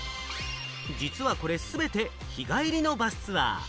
実はこれ、全て日帰りのバスツアー。